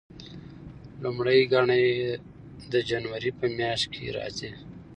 لومړۍ ګڼه یې د جنوري په میاشت کې راځي.